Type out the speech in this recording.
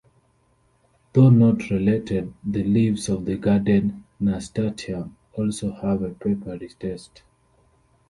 Though not related, the leaves of the garden nasturtium also have a peppery taste.